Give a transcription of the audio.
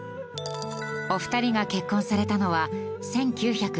お二人が結婚されたのは１９７１年。